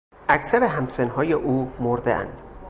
اکثر همسنهای او مردهاند.